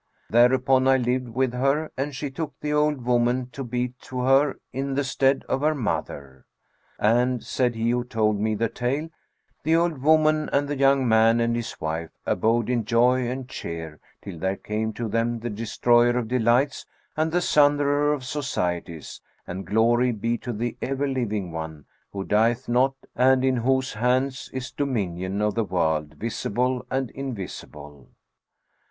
Thereupon I lived with her and she took the old woman to be to her in the stead of her mother." "And" (said he who told me the tale) "the old woman and the young man and his wife abode in joy and cheer till there came to them the Destroyer of delights and the Sunderer of societies; and glory be to the Ever living One, who dieth not and in whose hand is Dominion of the world visible and invisible!''